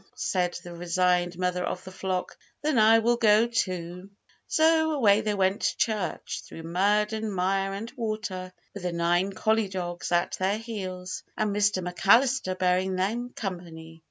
said the resigned mother of the flock; "then I will go too!" So away they went to church, through mud and mire and water, with the nine collie dogs at their heels, and Mr McAllister bearing them company.